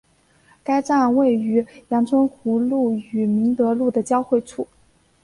该站位于杨春湖路与明德路的交汇处。